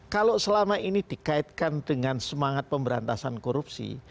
kalau selama ini dikaitkan dengan semangat pemberantasan korupsi